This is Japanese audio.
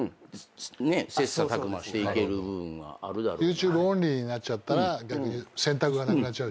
ＹｏｕＴｕｂｅオンリーになっちゃったら選択がなくなっちゃうしね。